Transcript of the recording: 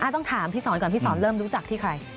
ต้องถามพี่สอนก่อนพี่สอนเริ่มรู้จักที่ใคร